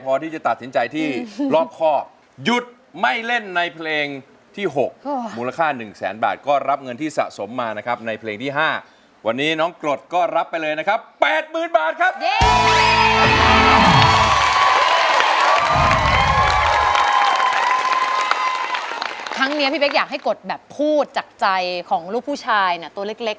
มีความรู้สึกว่ามีความรู้สึกว่ามีความรู้สึกว่ามีความรู้สึกว่ามีความรู้สึกว่ามีความรู้สึกว่ามีความรู้สึกว่ามีความรู้สึกว่ามีความรู้สึกว่ามีความรู้สึกว่ามีความรู้สึกว่ามีความรู้สึกว่ามีความรู้สึกว่ามีความรู้สึกว่ามีความรู้สึกว่ามีความรู้สึกว